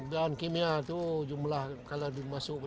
bahan kimia itu jumlah kalau masuk